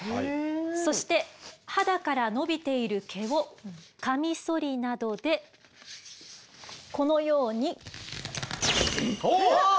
そして肌から伸びている毛をカミソリなどでこのように。おっ！あっ！